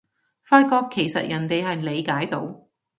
發覺其實人哋係理解到